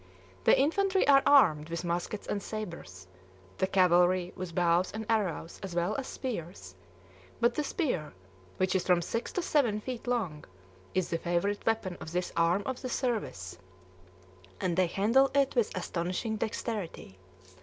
The infantry are armed with muskets and sabres; the cavalry, with bows and arrows as well as spears; but the spear, which is from six to seven feet long, is the favorite weapon of this arm of the service, and they handle it with astonishing dexterity.